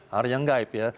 hal yang gaib ya